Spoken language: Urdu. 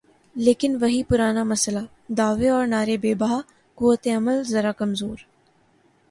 لیکن وہی پرانا مسئلہ، دعوے اور نعرے بے بہا، قوت عمل ذرا کمزور۔